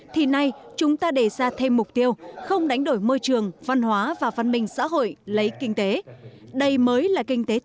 thì nay chúng ta đề ra mục tiêu không đánh đổi môi trường để lấy kinh tế